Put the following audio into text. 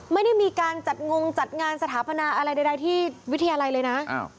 ไม่ได้มีการจัดงงจัดงานสถาปนาอะไรใดที่วิทยาลัยเลยนะ